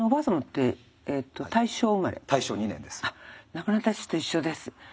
亡くなった父と一緒です。